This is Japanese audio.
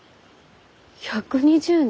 １２０年？